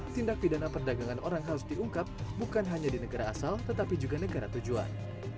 tindak pidana perdagangan orang harus diungkap bukan hanya di negara asal tetapi juga negara tujuan